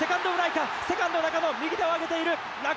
セカンド・中野、右手をあげている。